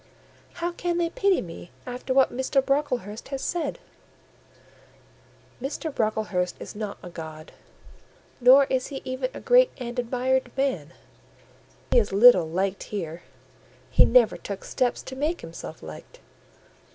"How can they pity me after what Mr. Brocklehurst has said?" "Mr. Brocklehurst is not a god: nor is he even a great and admired man: he is little liked here; he never took steps to make himself liked.